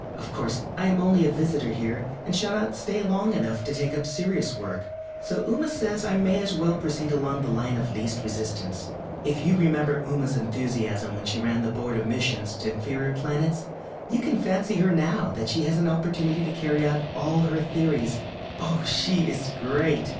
Of course I am only a visitor here, and shall not stay long enough to take up serious work, so Ooma says I may as well proceed along the line of least resistance. If you remember Ooma's enthusiasm when she ran the Board of Missions to Inferior Planets, you can fancy her now that she has an opportunity to carry out all her theories. Oh, she's great!